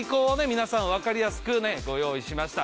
皆さん分かりやすくご用意しました。